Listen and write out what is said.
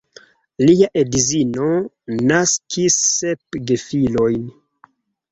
Lia edzino naskis sep gefilojn.